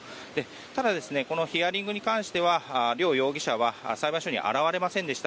ただ、このヒアリングに関しては両容疑者は裁判所に現れませんでした。